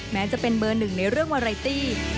แม้จะเป็นเบอร์หนึ่งในเรื่องวาไรตี้